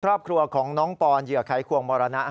ครอบครัวของน้องปอนเหยื่อไขควงมรณะ